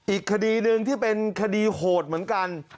อีกคดีหนึ่งที่เป็นคดีโหดเหมือนกัน